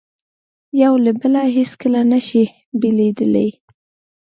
یو له بله هیڅکله نه شي بېلېدای.